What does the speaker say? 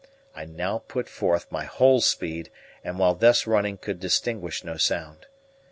I now put forth my whole speed, and while thus running could distinguish no sound.